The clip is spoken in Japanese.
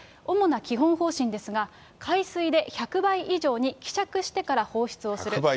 主な基本方針ですが、海水で１００倍以上に希釈してから放出をする。